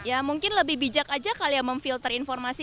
ya mungkin lebih bijak aja kalian memfilter informasi